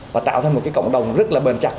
và tạo ra một cái cộng đồng rất là bền chặt